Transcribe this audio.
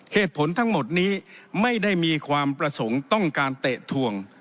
เหตุผลทั้งหมดนี้ไม่ได้มีความประสงค์ต้องการเตะถวง